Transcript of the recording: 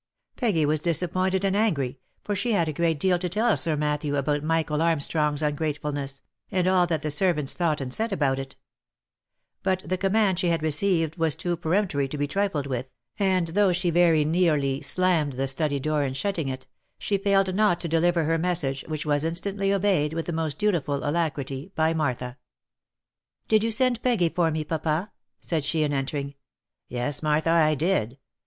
Peggy was disappointed and angry, for she had a great deal to tell Sir Matthew about Michael Armstrong's ungratefulness, and all that the servants thought and said about it; but the command she had received was too peremptory to be trifled with, and though she very nearly slammed the study door in shutting it, she failed not to deliver her message, which was instantly obeyed with the most dutiful alacrity by Martha. " Did you send Peggy for me, papa ?" said she in entering. "Yes, Martha dear, I did.